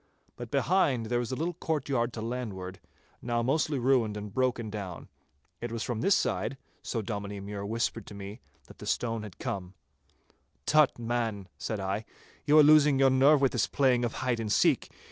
But behind there is a little courtyard to landward, now mostly ruined and broken down. It was from this side, so Dominie Mure whispered to me, that the stone had come. 'Tut, man,' said I, 'you are losing your nerve with this playing of hide and seek.